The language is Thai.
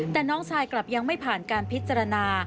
แต่น้องชายกลับยังไม่ผ่านการพิจารณา